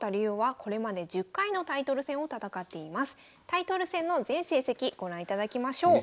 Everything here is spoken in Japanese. タイトル戦の全成績ご覧いただきましょう。